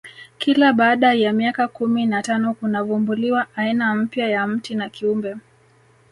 kila baada ya miaka kumi na tano kunavumbuliwa aina mpya ya mti na kiumbe